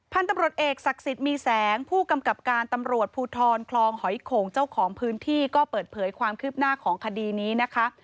พันธุ์ตำรวจเอกศักดิ์สิทธิ์มีแสงผู้กำกับการตำรวจภูทรคลองหอยโข่งเจ้าของพื้นที่ก็เปิดเผยความคืบหน้าของคดีนี้นะคะ